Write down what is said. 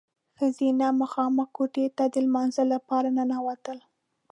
ښځینه مخامخ کوټې ته د لمانځه لپاره ننوتل.